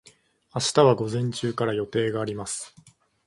明日は午前中から予定があります。